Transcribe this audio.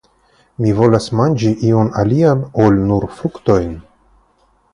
Mi volas manĝi ion alian ol nur fruktojn?